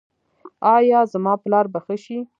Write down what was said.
ایا زما پلار به ښه شي؟